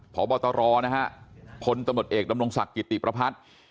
ผอบตรคนตำรวจเอกดำรงศักดิ์กิติประพัด